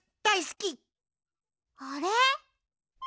あれ？